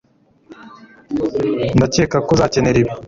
ndakeka ko uzakenera ibi